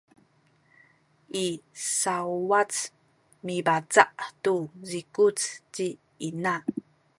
i sauwac mibaca’ tu zikuc ci ina